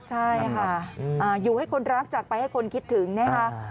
ใช่ค่ะอยู่ให้คนรักจากไปให้คนคิดถึงนะคะ